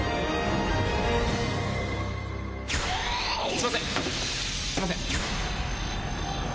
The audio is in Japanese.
すいませんすいません！